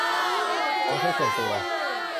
ของใช้ส่วนตัว